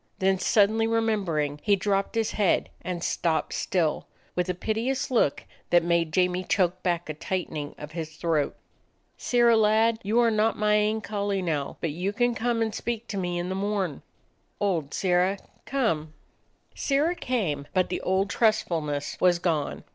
Then, suddenly remembering, he dropped his head and stopped still, with a piteous look that made Jamie choke back a tightening of his throat. "Sirrah lad, you are not my ain collie now, but you can come and speak to me in the morn. Old Sirrah, come." 98 A DOG OF THE ETTRICK HILLS Sirrah came, but the old trustfulness was gone.